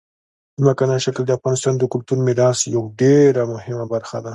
ځمکنی شکل د افغانستان د کلتوري میراث یوه ډېره مهمه برخه ده.